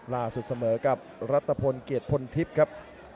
ล่าสุดเสมอกับรัฐพลเกียรติพลทิพย์ครับ